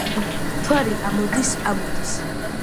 მთვარე ამოდის ამოდის.